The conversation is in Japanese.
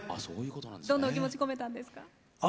どんなお気持ちを込めたんですか。